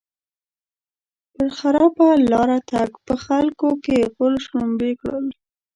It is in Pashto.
پر خراپه لاره تګ؛ په خلګو کې غول شلومبی کړل.